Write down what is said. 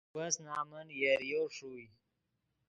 وس نمن یریو ݰوئے